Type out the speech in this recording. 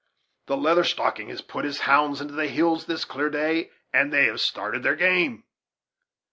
The Leather Stocking has put his hounds into the hills this clear day, and they have started their game.